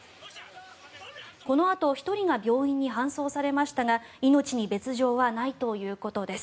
このあと１人が病院に搬送されましたが命に別条はないということです。